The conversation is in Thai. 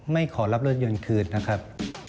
ขอรับรถยนต์คืนนะครับ